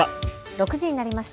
６時になりました。